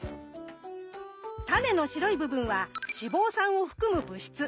タネの白い部分は脂肪酸を含む物質。